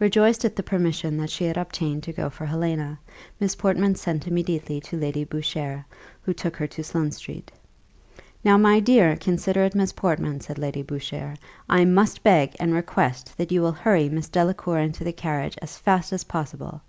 Rejoiced at the permission that she had obtained to go for Helena, Miss Portman sent immediately to Lady Boucher, who took her to Sloane street. "Now, my dear, considerate Miss Portman," said Lady Boucher, "I must beg, and request that you will hurry Miss Delacour into the carriage as fast as possible.